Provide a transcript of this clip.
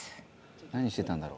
何してたんだろう？